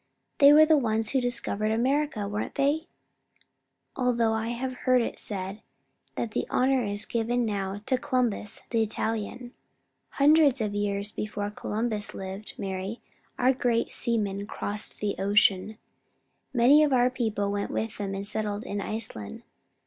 They were the ones who discovered America, weren't they? Although I have heard it said that the honour is given now to Columbus, the Italian." "Hundreds of years before Columbus lived, Mari, our great seamen crossed the ocean. Many of our people went with them and settled in Iceland.